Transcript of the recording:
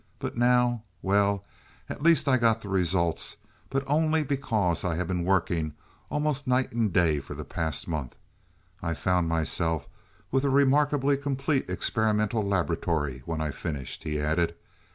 But now well, at least I got the results, but only because I have been working almost night and day for the past month. And I found myself with a remarkably complete experimental laboratory when I finished," he added.